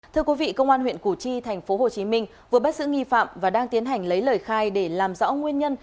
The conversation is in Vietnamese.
thưa quý vị công an huyện củ chi tp hcm vừa bắt giữ nghi phạm và đang tiến hành lấy lời khai để làm rõ nguyên nhân